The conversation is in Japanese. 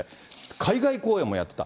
海外公演もやった。